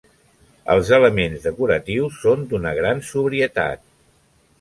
Els elements decoratius són d'una gran sobrietat.